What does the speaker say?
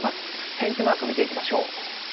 天気マークを見ていきましょう。